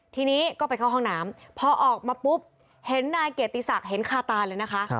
ทีนี้ก็ไปเข้าห้องน้ำพอออกมาปุ๊บเห็นนายเกียรติศักดิ์เห็นคาตาเลยนะคะ